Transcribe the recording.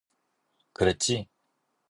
그랬지?